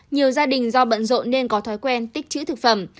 nhiều gia đình do bận rộn nên có thói quen tích chữ thực phẩm